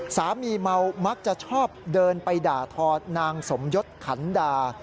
สามีเมามักจะชอบเดินไปด่าทอนางสมยศขันดา